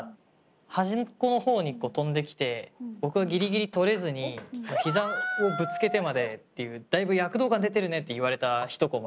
端っこの方に飛んできて僕がギリギリとれずにひざをぶつけてまでっていうだいぶ躍動感出てるねって言われた一コマ。